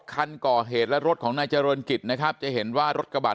คันก่อเหตุและรถของนายเจริญกิจนะครับจะเห็นว่ารถกระบะ